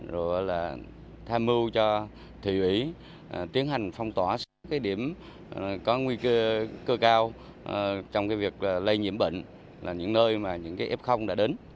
rồi là tham mưu cho thủy ủy tiến hành phong tỏa xét các điểm có nguy cơ cao trong việc lây nhiễm bệnh là những nơi mà những ép không đã đến